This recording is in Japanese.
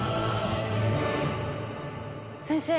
先生